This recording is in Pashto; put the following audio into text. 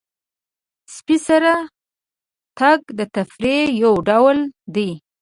سپي سره تګ د تفریح یو ډول دی.